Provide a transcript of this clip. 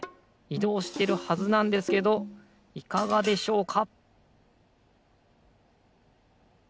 いどうしてるはずなんですけどいかがでしょうか？